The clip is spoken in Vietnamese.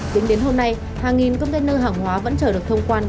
tính đến hôm nay hàng nghìn công ty nơi hàng hóa vẫn chờ được thông quan